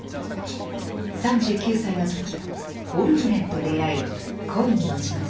３９歳の時オルグレンと出会い恋に落ちます。